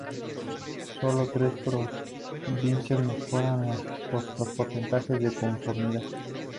Solo tres provincias mejoran los porcentajes de conformidad